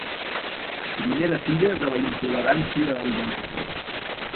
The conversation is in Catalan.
Primera Fira de la Intolerància Alimentària.